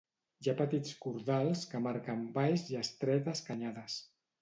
Hi ha petits cordals que marquen valls i estretes canyades.